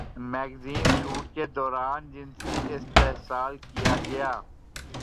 magazine shoot کے دوران جنسی استحصال کیا گیا